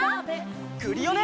クリオネ！